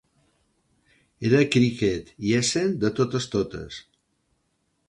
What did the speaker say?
Era cricket i Essen de totes totes.